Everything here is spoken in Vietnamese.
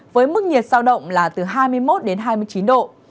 với mức nhiệt sao động là từ hai mươi một đến hai mươi chín độ